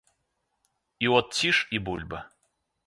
І от ціш і бульба.